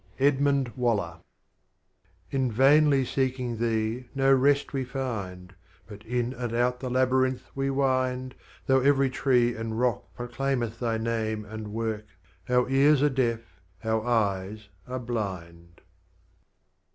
— Edmund Waller. In vainly seeking Thee no Rest wc find, But in and ont the Labyrinth wc wind Though every Tree and Rocli proclaimeth Thy Name And Work, our Ears are Deaf, our Eyes are blind.